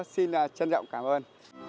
xin trân trọng cảm ơn